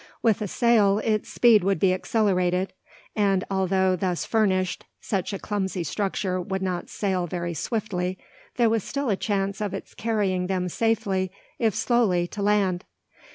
With a sail its speed would be accelerated; and although, thus furnished, such a clumsy structure could not sail very swiftly, there was still a chance of its carrying them safely, if slowly, to land.